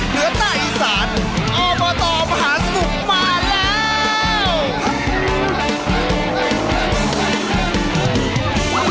เหนือใต้อิสานออปาตอร์มหาสนุกมาแล้ว